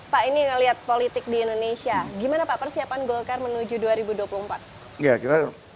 pak ini ngelihat politik di indonesia gimana pak persiapan golkar menuju dua ribu dua puluh empat